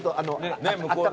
向こうで。